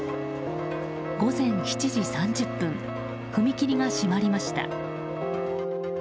午前７時３０分踏切が閉まりました。